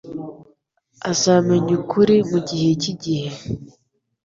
Azamenya ukuri mugihe cyigihe.